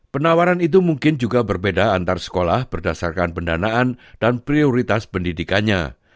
penawaran itu mungkin juga berbeda antar sekolah berdasarkan pendanaan dan prioritas pendidikannya